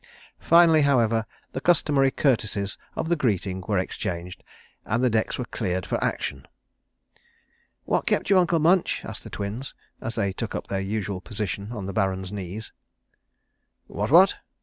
Finally, however, the customary courtesies of the greeting were exchanged, and the decks were cleared for action. "What kept you, Uncle Munch?" asked the Twins, as they took up their usual position on the Baron's knees. "What what?"